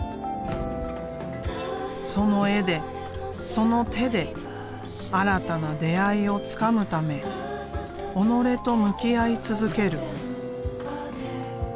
その絵でその手で新たな出会いをつかむため己と向き合い続ける。